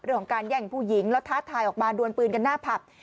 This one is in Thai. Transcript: เรื่องของการแย่งผู้หญิงแล้วท้าทายออกมาดวนปืนกันหน้าผับ